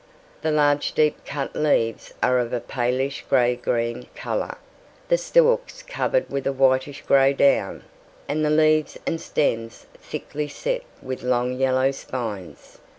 The large deep cut leaves are of a palish grey green colour, the stalks covered with a whitish grey down, and the leaves and stems thickly set with long yellow spines.